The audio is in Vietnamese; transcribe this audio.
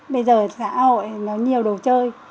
bây giờ xã hội nó nhiều đồ chơi